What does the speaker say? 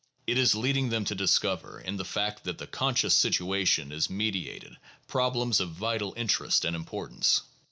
It is leading them to discover in the fact that the conscious situation is mediated problems of vital interest and importance.